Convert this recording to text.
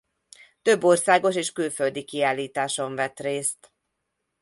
Több országos és külföldi kiállításon vett részt.